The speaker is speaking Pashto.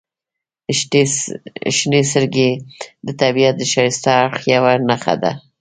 • شنې سترګې د طبیعت د ښایسته اړخ یوه نښه ده.